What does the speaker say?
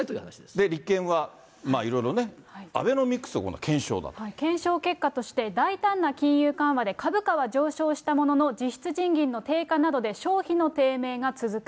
で、立憲はまあ、いろいろとね、検証だと。検証結果として大胆な金融緩和で株価は上昇したものの、実質賃金の低下などで消費の低迷が続く。